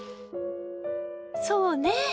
そうね！